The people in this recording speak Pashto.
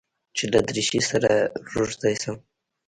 چې له دريشۍ سره روږدى سم.